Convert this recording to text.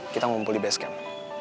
kita ngumpul di base camp